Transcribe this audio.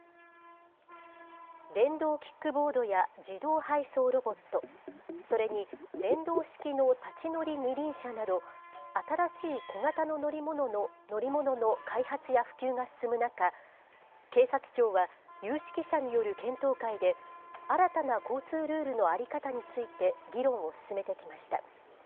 電動キックボードや自動配送ロボット、それに電動式の立ち乗り二輪車など、新しい小型の乗り物の開発や普及が進む中、警察庁は、有識者による検討会で、新たな交通ルールの在り方について議論を進めてきました。